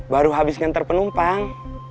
baru habis ngantar penumpang